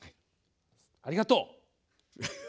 ありがとう！